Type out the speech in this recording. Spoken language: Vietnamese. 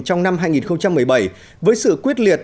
trong năm hai nghìn một mươi bảy với sự quyết liệt